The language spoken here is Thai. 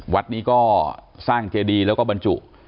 วัดนี้ก็สร้างเจดีแล้วก็บรรจุ